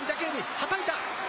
はたいた。